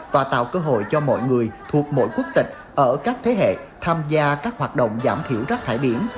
và tạo cơ hội cho mọi người thuộc mỗi quốc tịch ở các thế hệ tham gia các hoạt động giảm thiểu rác thải biển